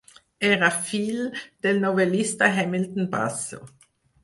Era fill del novel·lista Hamilton Basso.